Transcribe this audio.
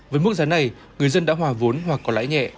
với mức giá này người dân đã hòa vốn hoặc có lãi nhẹ